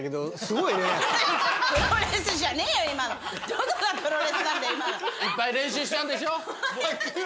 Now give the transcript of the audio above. いっぱい練習したんでしょ？